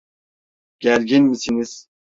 Gergin misiniz?